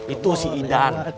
itu si idan